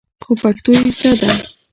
خو پښتو يې زده ده.